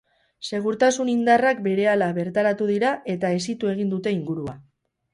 Segurtasun indarrak berehala bertaratu dira eta hesitu egin dute ingurua.